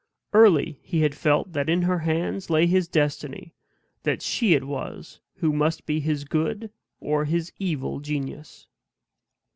Early he had felt that in her hands lay his destiny; that she it was who must be his good or his evil genius.